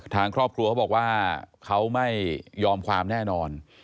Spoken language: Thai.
ทางครอบครัวเขาบอกว่าเขาไม่ยอมความแน่นอน